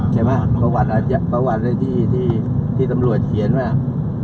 ใช่ไหมประวัติอาจจะประวัติที่ที่ที่ตำรวจเขียนไหม